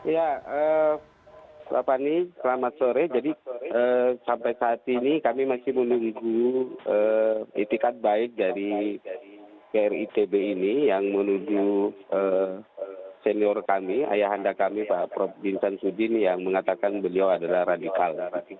ya selamat sore jadi sampai saat ini kami masih menunggu itikat baik dari gar itb ini yang menuju senior kami ayah anda kami pak prof din syamsuddin yang mengatakan beliau adalah radikal